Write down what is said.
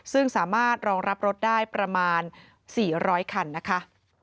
ซึ่งสามารถรองรับรถได้ประมาณ๔๐๐คันนะคะ